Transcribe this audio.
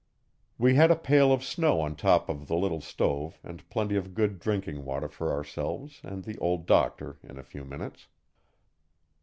We had a pail of snow on top of the little stove and plenty of good drinking water for ourselves and the Old Doctor in a few minutes.